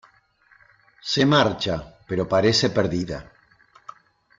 Se marcha, pero parece perdida.